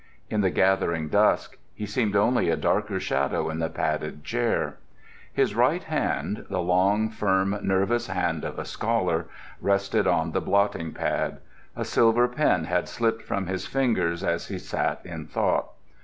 In the gathering dusk he seemed only a darker shadow in the padded chair. His right hand—the long, firm, nervous hand of a scholar—rested on the blotting pad. A silver pen had slipped from his fingers as he sat in thought.